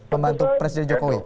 pembantu presiden jokowi